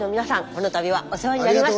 この度はお世話になりました。